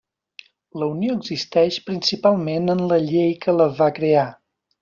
La Unió existeix principalment en la llei que la va crear.